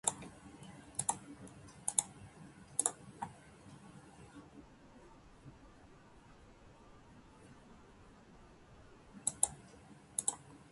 スクーリングの教室変更がある場合はこちらでご案内します。